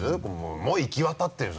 もう行き渡ってるよ。